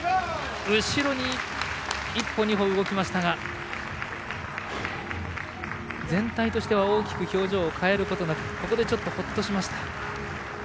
後ろに１歩２歩動きましたが全体としては大きく表情を変えることなく、ほっとしました。